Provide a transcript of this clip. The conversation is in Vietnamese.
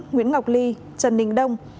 nguyễn ngọc ly trần ninh đông